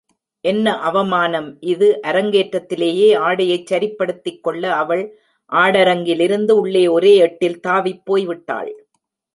என்ன அவமானம் இது, அரங்கேற்றத்திலேயே ஆடையைச் சரிப்படுத்திக்கொள்ள அவள் ஆடரங்கிலிருந்து உள்ளே ஒரே எட்டில் தாவிப் போய்விட்டாள்.